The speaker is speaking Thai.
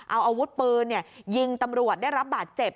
เอาอาวุธปืนยิงตำรวจได้รับบาดเจ็บ